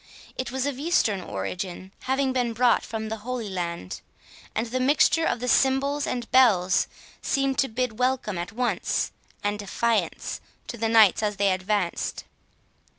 It was of Eastern origin, having been brought from the Holy Land; and the mixture of the cymbals and bells seemed to bid welcome at once, and defiance, to the knights as they advanced.